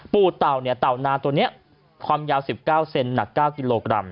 ปู่เต่าเนี้ยเต่านาตัวเนี้ยความยาวสิบเก้าเซนหนักเก้ากิโลกรัม